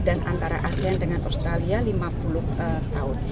dan antara asean dengan australia lima puluh tahun